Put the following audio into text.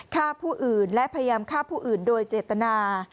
ฆ่าผู้อื่นและพยายามฆ่าผู้อื่นโดยเจตนา